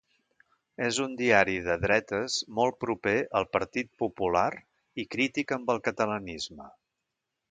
És un diari de dretes molt proper al Partit Popular i crític amb el catalanisme.